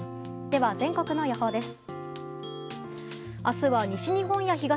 では全国の予報です。